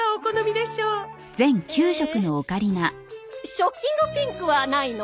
ショッキングピンクはないの？